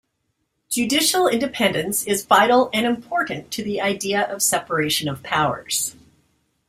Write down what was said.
Judicial Independence is vital and important to the idea of separation of powers.